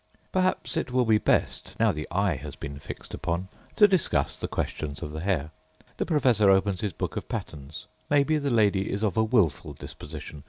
Perhaps it will be best, now the eye has been fixed upon, to discuss the question of the hair. The professor opens his book of patterns. Maybe the lady is of a wilful disposition.